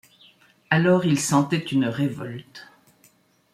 Alors il sentait une révolte.